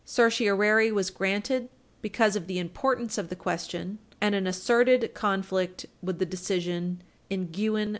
Certiorari was granted, 305 U.S. 591, because of the importance of the question and an asserted conflict with the decision in Guinn v.